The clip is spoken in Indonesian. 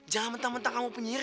jangan mentang mentang kamu penyihir